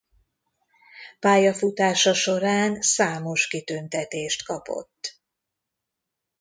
Pályafutása során számos kitüntetést kapott.